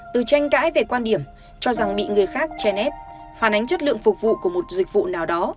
từ tranh cãi về quan điểm cho rằng bị người khác chen ép phản ánh chất lượng phục vụ của một dịch vụ nào đó